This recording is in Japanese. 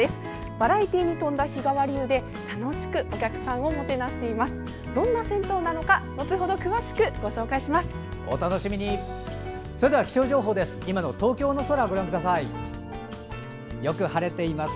バラエティーに富んだ「日替わり湯」で楽しくお客さんをもてなしています。